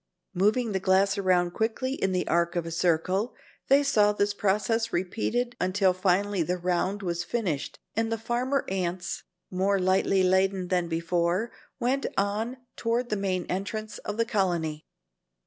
Moving the glass around quickly in the arc of a circle, they saw this process repeated until finally the round was finished and the farmer ants, more lightly laden than before, went on toward the main entrance of the colony.